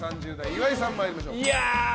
岩井さん、参りましょう。